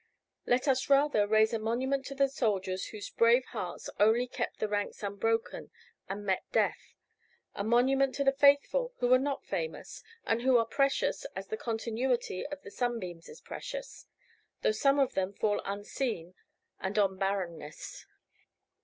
Let us rather raise a monument to the soldiers whose brave hearts only kept the ranks unbroken and met death a monument to the faithful who were not famous, and who are precious as the continuity of the sunbeams is precious, though some of them fall unseen and on barrenness.